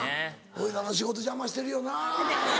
俺らの仕事邪魔してるよな。